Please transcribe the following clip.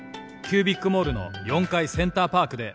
「キュービックモールの４階センターパークで」